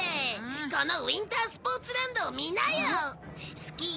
このウィンタースポーツランドを見なよ！